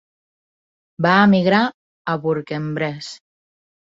Va emigrar a Bourg-en-Bresse.